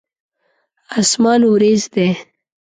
اسمان وريځ دی.